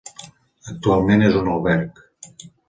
Actualment és un alberg.